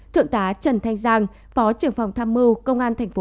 thượng tá trần thanh giang phó trưởng phòng tham mưu